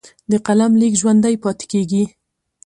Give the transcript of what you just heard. د قلم لیک ژوندی پاتې کېږي.